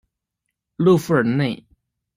勒富尔内。